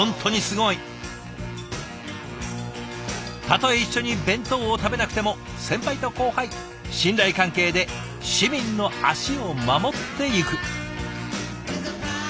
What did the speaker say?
たとえ一緒に弁当を食べなくても先輩と後輩信頼関係で市民の足を守っていく。